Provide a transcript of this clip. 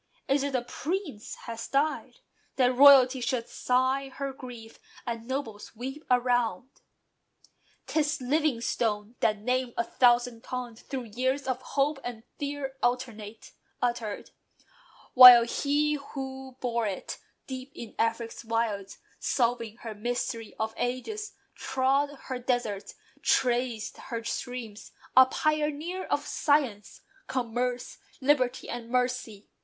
Is it a Prince has died? That royalty Should sigh her grief, and nobles weep around? 'Tis LIVINGSTONE! That name a thousand tongues Through years of hope and fear alternate, uttered; While he who bore it, deep in Afric's wilds, Solving her mystery of ages, trod Her deserts, traced her streams, a pioneer Of science, commerce, liberty, and mercy.